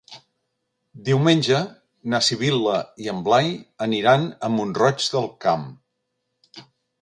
Diumenge na Sibil·la i en Blai aniran a Mont-roig del Camp.